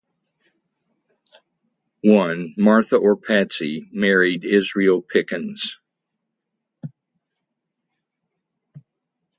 One, Martha or "Patsy", married Israel Pickens.